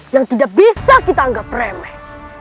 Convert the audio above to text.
yang tidak bisa kita anggap remeh